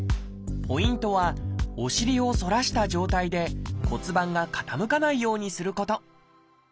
ポイントはお尻を反らした状態で骨盤が傾かないようにすること